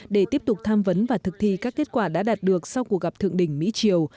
để tiếp tục tham vấn và thực thi các kết quả đã đạt được sau cuộc gặp thượng đỉnh mỹ triều